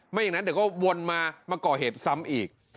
อย่างนั้นเดี๋ยวก็วนมามาก่อเหตุซ้ำอีก